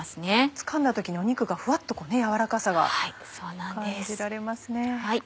つかんだ時に肉がフワっと軟らかさが感じられますね。